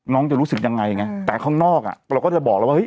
จะรู้สึกยังไงไงแต่ข้างนอกอ่ะเราก็จะบอกแล้วว่าเฮ